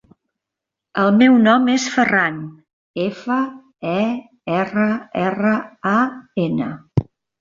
El meu nom és Ferran: efa, e, erra, erra, a, ena.